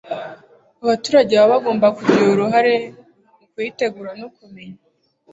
abaturage baba bagomba kugira uruhare mu kuyitegura, no kumenya